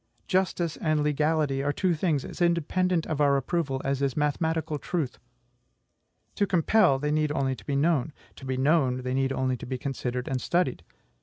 Justice and legality are two things as independent of our approval as is mathematical truth. To compel, they need only to be known; to be known, they need only to be considered and studied.